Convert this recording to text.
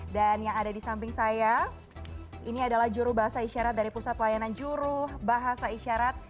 dan yang ada di samping saya ini adalah juru bahasa isyarat dari pusat layanan juru bahasa isyarat